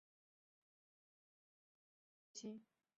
男单决赛的特邀颁奖嘉宾是牙买加短跑巨星博尔特。